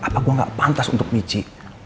apa gue gak pantas untuk miji